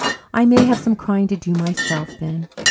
I may have some crying to do myself then.